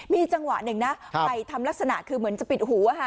มีจังหวะหนึ่งนะไปทำลักษณะคือเหมือนจะปิดหู